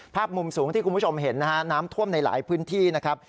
ภาพมุมสูงที่คุณผู้ชมเห็นนะฮะน้ำท่วมในหลายพื้นที่นะครับ